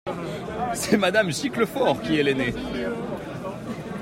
C’est madame Giclefort qui est l’aînée…